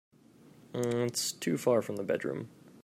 That's too far from the bedroom.